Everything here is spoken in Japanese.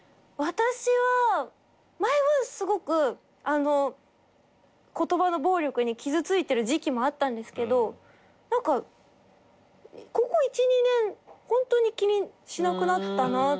私は前はすごくあの言葉の暴力に傷ついてる時期もあったんですけど何かここ１２年ホントに気にしなくなったなって。